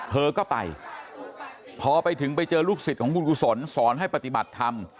เธอก็ไปพอไปถึงไปเจอลูกศิษย์ของคุณกุศลสอนให้ปฏิบัติธรรม